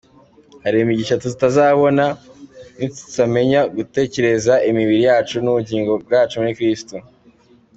Hari imigisha tutazabona nitutamenya gutegekera imibiri yacu n’ubugingo muri Kristo Yesu.